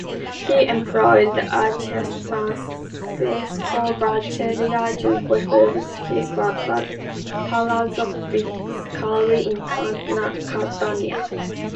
He employed the architect Francesco Battaglia to refurbish his Palazzo Biscari in Catania.